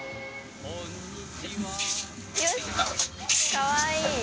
かわいい。